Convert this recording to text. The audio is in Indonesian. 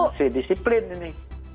sampai disiplin ini